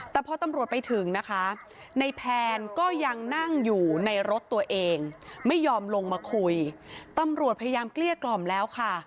แต่พอตำรวจไปถึงนะคะในแพนก็ยังนั่งอยู่ในรถตัวเองไม่ยอมลงมาคุยตำรวจพยายามเกลี้ยกล่อมแล้วค่ะ